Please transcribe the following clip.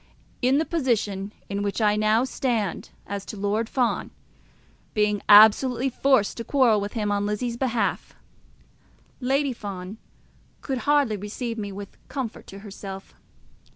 In the position in which I now stand as to Lord Fawn, being absolutely forced to quarrel with him on Lizzie's behalf, Lady Fawn could hardly receive me with comfort to herself.